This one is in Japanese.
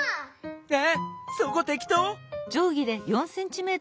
えっそこてきとう？